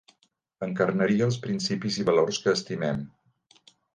Encarnaria els principis i valors que estimem.